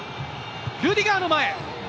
ルディガーの前。